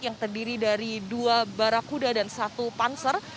yang terdiri dari dua barakuda dan satu panser